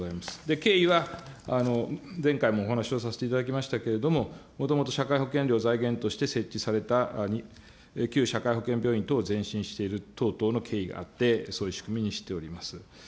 経緯は、前回もお話をさせていただきましたけれども、もともと社会保険料を財源として設置された旧社会保険病院等ぜんしんしている等々の経緯があって、そういう仕組みにしております。